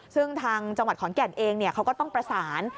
ซึ่งทางจังหวัดขอนแก่นเองเขาก็ต้องประสาน